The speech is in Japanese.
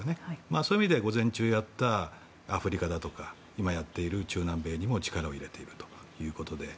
そういう意味では午前中にやったアフリカだとか今やっている中南米にも力を入れているということで。